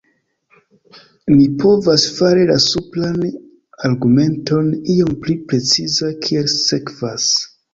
Ni povas fari la supran argumenton iom pli preciza kiel sekvas.